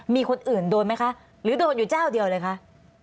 มีคนอื่นโดนไหมคะหรือโดนอยู่เจ้าเดียวเลยคะ